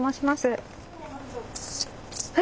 はい！